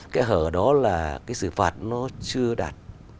kẽ hở đó là cái xử phạt nó chưa đạt